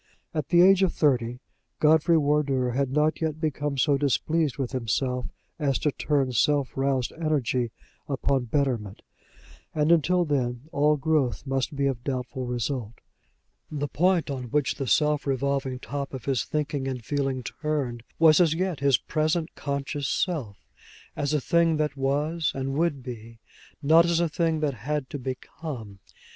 At the age of thirty, Godfrey Wardour had not yet become so displeased with himself as to turn self roused energy upon betterment; and until then all growth must be of doubtful result. The point on which the swift revolving top of his thinking and feeling turned was as yet his present conscious self, as a thing that was and would be, not as a thing that had to become.